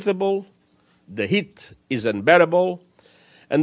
suhu tidak bisa dikendalikan